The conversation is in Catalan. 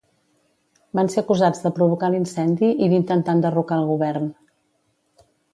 Van ser acusats de provocar l'incendi i d'intentar enderrocar al govern.